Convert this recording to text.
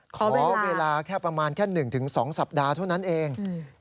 ขอเวลาแค่ประมาณแค่๑๒สัปดาห์เท่านั้นเอง